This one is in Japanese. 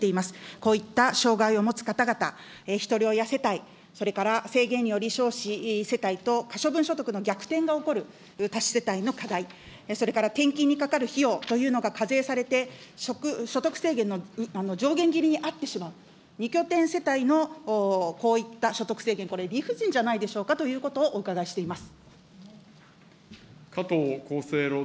こういった障害を持つ方々、ひとり親世帯、それから制限により少子世帯と可処分所得の逆転が起こる多子世帯の課題、それから、転勤に係る費用というのが課税されて、所得制限の上限切りにあってしまう、２拠点世帯のこういった所得制限、これ、理不尽じゃないでしょうかということをお伺いしています。